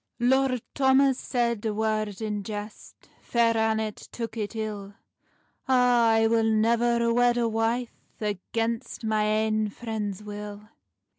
Lord Thomas said a word in jest, Fair Annet took it ill: "A, I will nevir wed a wife Against my ain friend's will."